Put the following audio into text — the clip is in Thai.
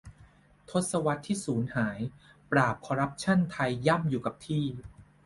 ทศวรรษที่สูญหาย ปราบคอร์รัปชั่นไทยย่ำอยู่กับที่